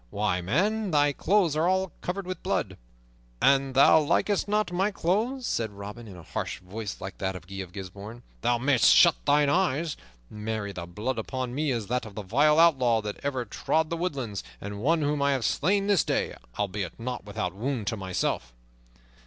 Why, man, thy clothes are all over blood!" "An thou likest not my clothes," said Robin in a harsh voice like that of Guy of Gisbourne, "thou mayst shut thine eyes. Marry, the blood upon me is that of the vilest outlaw that ever trod the woodlands, and one whom I have slain this day, albeit not without wound to myself."